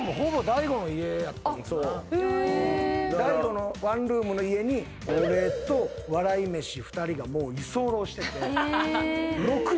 大悟のワンルームの家に俺と笑い飯２人がもう居候してて。